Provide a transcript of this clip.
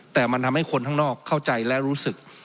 แต่มันทำให้คนข้างนอกเข้าใจและรู้สึก